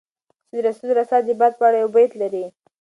سید رسول رسا د باد په اړه یو بیت لري.